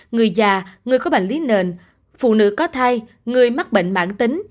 người già người có bệnh lý nền phụ nữ có thai người mắc bệnh mãn tính